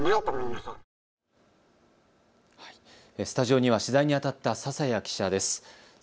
スタジオには取材にあたった笹谷記者です。